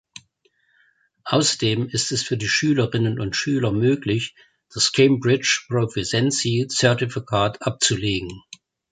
Außerdem ist es für die Schülerinnen und Schülern möglich, das Cambridge Proficiency Zertifikat abzulegen.